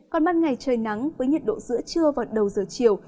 còn ban ngày trời nắng với nhiệt độ giữa trưa và đầu giờ chiều